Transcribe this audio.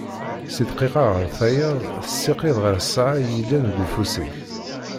Si ddqiqa ar tayeḍ, tessikid ɣer ssaɛa i yellan deg ufus-is